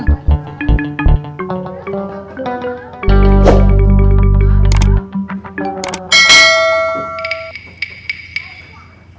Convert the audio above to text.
tidak ada lagi